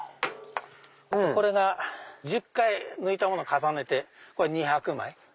これが１０回抜いたもの重ねて２００枚。